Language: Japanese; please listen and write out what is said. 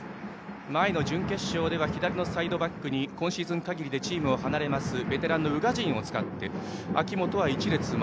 前の準決勝では左のサイドバックに今シーズン限りでチームを離れますベテラン、宇賀神を使って明本は１列前。